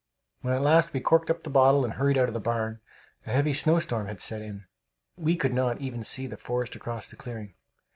When at last we corked up the bottle and hurried out of the barn, a heavy snowstorm had set in. We could not even see the forest across the clearing.